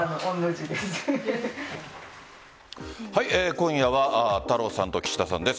今夜は太郎さんと岸田さんです。